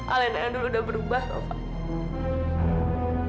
alena yang dulu udah berubah taufan